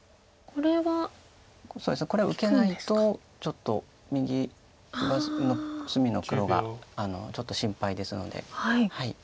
これは受けないとちょっと右上隅の黒がちょっと心配ですので。